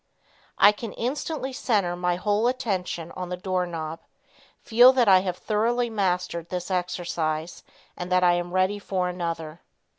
"I can instantly center my whole attention on the door knob. Feel that I have thoroughly mastered this exercise and that I am ready for another."